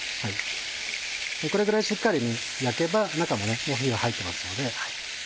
これぐらいしっかり焼けば中ももう火が入ってますので。